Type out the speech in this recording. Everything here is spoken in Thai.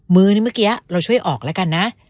มือนี่เมื่อกี้เราช่วยออกแล้วกันนะ